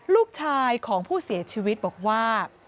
ลูกชายของผู้เสียชีวิตบอกว่า